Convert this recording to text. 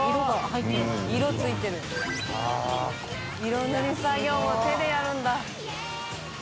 色塗り作業も手でやるんだ。